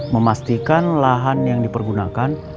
memastikan lahan yang dipergunakan